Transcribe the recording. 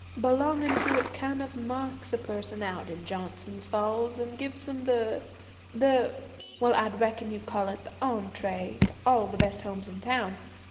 Belonging to it kind of marks a person out in Johnson's Falls and gives 'em the the well, I reckon you'd call it the entray to all the best homes in town.